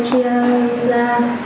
thế là tôi làm liều